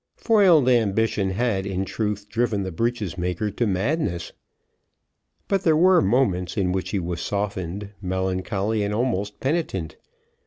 Foiled ambition had, in truth, driven the breeches maker to madness. But there were moments in which he was softened, melancholy, and almost penitent.